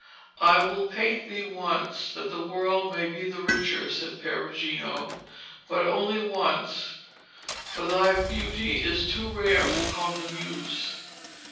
'I will paint thee once, that the world may be the richer,' said Perugino, 'but only once, for thy beauty is too rare for common use.